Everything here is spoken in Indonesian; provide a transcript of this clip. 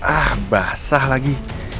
ah basah lagi